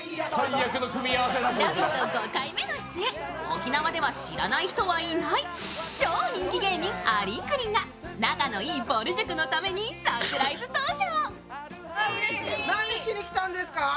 沖縄では知らない人はいない超人気芸人、ありんくりんが仲のいいぼる塾のためにサプライズ登場。